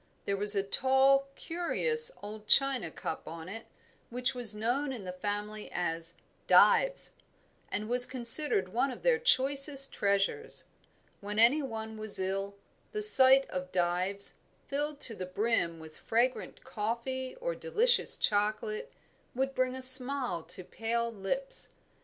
There was a tall, curious old china cup on it which was known in the family as "Dives," and was considered one of their choicest treasures. When any one was ill, the sight of Dives, filled to the brim with fragrant coffee or delicious chocolate, would bring a smile to pale lips.